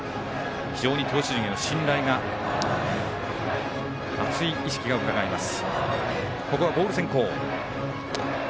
非常に投手陣への信頼が厚い意識がうかがえます。